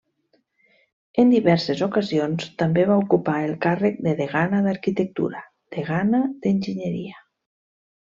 En diverses ocasions, també va ocupar el càrrec de Degana d'Arquitectura, Degana d'Enginyeria.